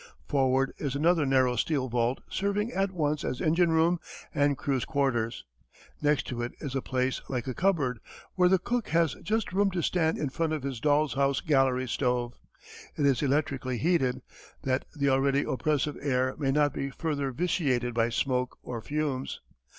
Forward is another narrow steel vault serving at once as engine room and crew's quarters. Next to it is a place like a cupboard, where the cook has just room to stand in front of his doll's house galley stove. It is electrically heated, that the already oppressive air may not be further vitiated by smoke or fumes.